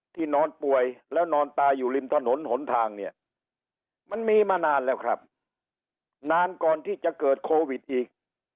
นอนป่วยแล้วนอนตายอยู่ริมถนนหนทางเนี่ยมันมีมานานแล้วครับนานก่อนที่จะเกิดโควิดอีก